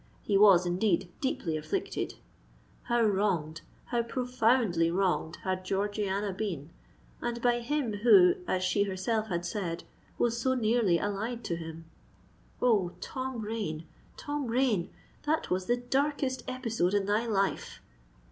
He was, indeed, deeply afflicted. How wronged—how profoundly wronged had Georgiana been!—and by him who, as she herself had said, was so nearly allied to him! Oh! Tom Rain—Tom Rain! that was the darkest episode in thy life!